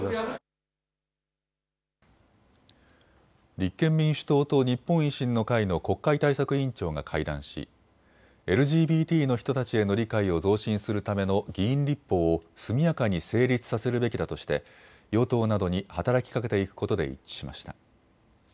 立憲民主党と日本維新の会の国会対策委員長が会談しＬＧＢＴの人たちへの理解を増進するための議員立法を速やかに成立させるべきだとして与党などに働きかけていくことで一致しました。